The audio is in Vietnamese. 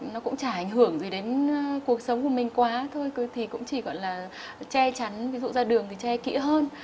nó cũng chả ảnh hưởng gì đến cuộc sống của mình quá thôi thì cũng chỉ gọi là che chắn ví dụ ra đường thì che kỹ hơn